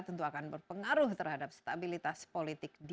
tentu akan berpengaruh terhadap stabilitas politik di indonesia